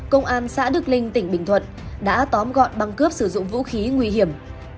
công an xã đức linh tỉnh bình thuận đã tóm gọn băng cướp sử dụng vũ khí nguy hiểm